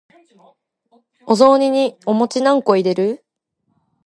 お雑煮にお餅何個入れる？